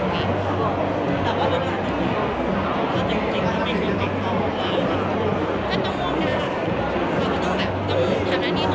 ขอบคุณภาษาให้ด้วยเนี่ย